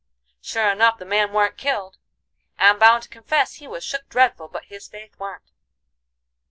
Sure enough the man warn't killed; I'm bound to confess he was shook dreadful, but his faith warn't."